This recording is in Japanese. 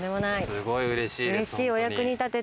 すごいうれしいです。